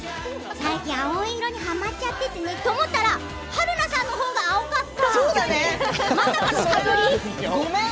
最近、青色にはまっちゃっててねって思ったら春菜さんのほうが青かった！